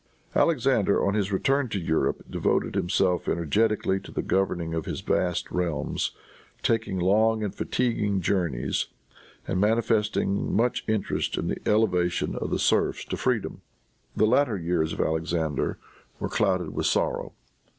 Alexander, on his return to Russia, devoted himself energetically to the government of his vast realms, taking long and fatiguing journeys, and manifesting much interest in the elevation of the serfs to freedom. The latter years of Alexander were clouded with sorrow.